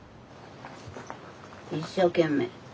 一生懸命。